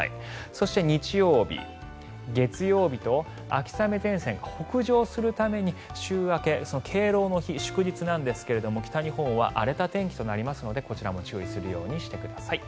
そして日曜日、月曜日と秋雨前線が北上するために週明け、敬老の日祝日なんですが北日本は荒れた天気となりますのでこちらも注意するようにしてください。